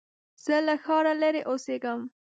زه له ښاره لرې اوسېږم.